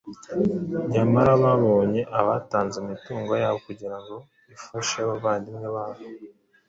Nyamara babonye ko abatanze imitungo yabo kugira ngo ifashe abavandimwe babo